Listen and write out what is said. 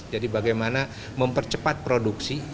jadi bagaimana mempercepat produksi